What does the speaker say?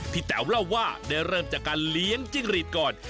แต๋วเล่าว่าได้เริ่มจากการเลี้ยงจิ้งหลีดก่อน